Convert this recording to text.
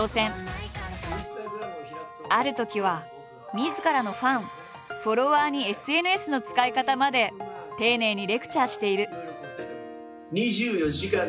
あるときはみずからのファンフォロワーにＳＮＳの使い方まで丁寧にレクチャーしている。